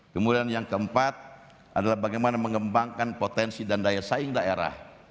kemudian yang keempat adalah bagaimana mengembangkan potensi dan daya saing daerah